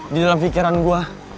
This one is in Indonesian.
di dalam pikiran gue